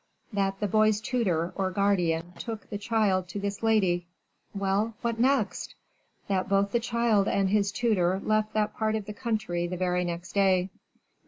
"That the boy's tutor, or guardian, took the child to this lady." "Well, what next?" "That both the child and his tutor left that part of the country the very next day."